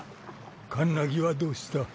カンナギはどうした？